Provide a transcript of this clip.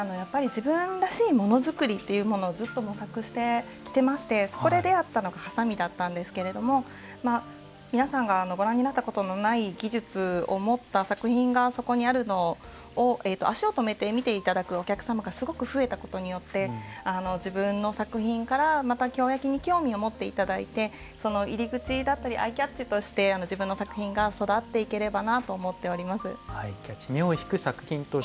自分らしいものづくりというものをずっと模索してきていましてそこで出会ったのがはさみだったんですけど皆さんがご覧になったことのない技術を用いて作った作品がそこにあるのを足を止めて見ていただけるお客様がすごく増えたことによって自分の作品からまた、京焼に興味を持っていただいてその入り口だったりアイキャッチとして自分の作品が育っていければなと思っております。